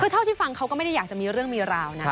คือเท่าที่ฟังเขาก็ไม่ได้อยากจะมีเรื่องมีราวนะ